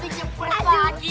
nggak jadi marahin abie loh